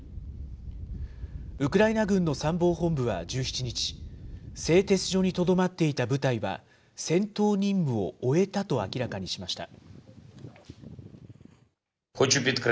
ウクライナ軍の参謀本部は１７日、製鉄所にとどまっていた部隊は、戦闘任務を終えたと明らかにしました。